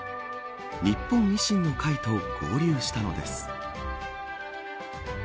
日本維新の会と合流したのです。